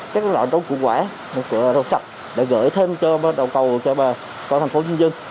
các loại rau củ quả rau sạch để gửi thêm cho đầu cầu cho thành phố nhân dân